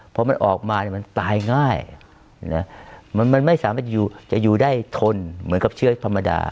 พอมันออกมามันตายง่ายมันไม่สามารถจะอยู่ได้ทนเหมือนกับเชื้อธรรมดา